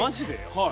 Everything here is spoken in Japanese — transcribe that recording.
はい。